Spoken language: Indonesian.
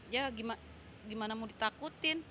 ya gimana mau ditakutin